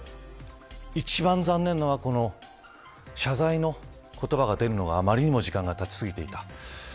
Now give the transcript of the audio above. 一番残念なのは謝罪の言葉が出るのがあまりにも時間がたちすぎていた。